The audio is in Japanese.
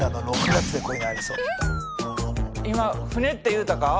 今船って言うたか？